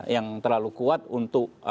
yang terlalu kuat untuk